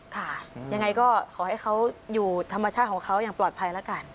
ค่ะยังไงก็ขอให้เขาอยู่ธรรมชาติของเขาอย่างปลอดภัยแล้วกัน